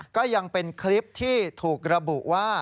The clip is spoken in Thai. ก็ยังเป็นคลิปที่ถูกระบุว่า